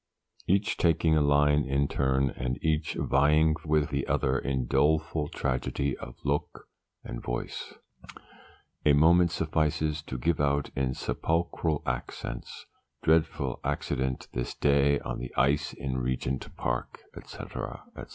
each taking a line in turn, and each vying with the other in doleful tragedy of look and voice. A moment suffices to give out in sepulchral accents, 'Dreadful Accident this day on the Ice in Regent's Park,' &c., &c.